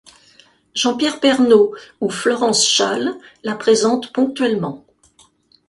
Jean-Pierre Pernaut ou Florence Schaal la présentent ponctuellement.